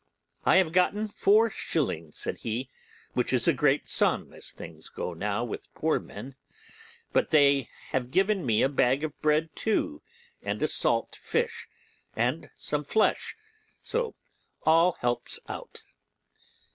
'I have gotten four shillings,' said he, 'which is a great sum, as things go now with poor men; but they have given me a bag of bread too, and a salt fish and some flesh; so all helps out.